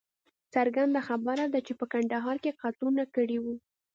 څرګنده خبره ده چې په کندهار کې یې قتلونه کړي وه.